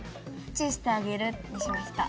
「チューしてあげる」にしました。